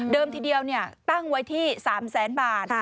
ทีเดียวตั้งไว้ที่๓แสนบาท